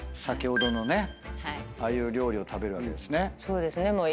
先ほどのねああいう料理を食べるわけですね。